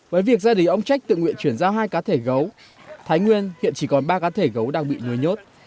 với việc gia đình ông trách tự nguyện chuyển giao hai cá thể gấu thái nguyên hiện chỉ còn ba cá thể gấu đang bị nuôi nhốt